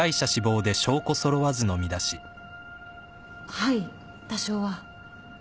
はい多少は。